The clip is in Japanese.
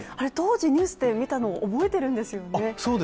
当時、ニュースで見たのを覚えているんですよね。